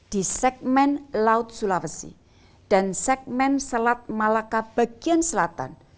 di segmen laut sulawesi dan segmen selat malaka bagian selatan